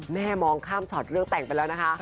มองข้ามช็อตเรื่องแต่งไปแล้วนะคะ